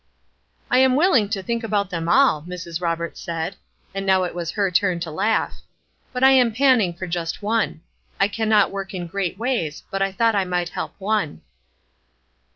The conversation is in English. "I am willing to think about them all," Mrs. Roberts said, and now it was her turn to laugh, "but I am panning for just one. I cannot work in great ways, but I thought I might help one."